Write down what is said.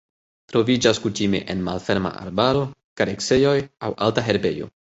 Troviĝas kutime en malferma arbaro, kareksejoj aŭ alta herbejo.